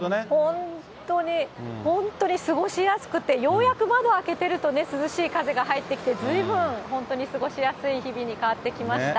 本当に、本当に過ごしやすくて、ようやく窓開けてるとね、涼しい風が入ってきて、ずいぶん、本当に過ごしやすい日々に変わってきました。